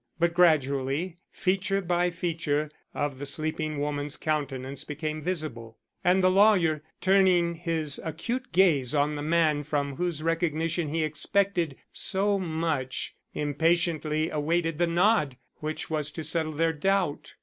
But gradually, feature by feature of the sleeping woman's countenance became visible, and the lawyer, turning his acute gaze on the man from whose recognition he expected so much, impatiently awaited the nod which was to settle their doubt.